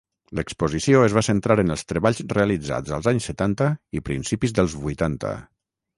L'exposició es va centrar en els treballs realitzats als anys setanta i principis dels vuitanta.